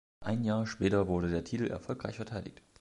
Ein Jahr später wurde der Titel erfolgreich verteidigt.